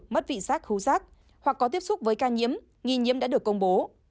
mất vị giác hú rác hoặc có tiếp xúc với ca nhiễm nghi nhiễm đã được công bố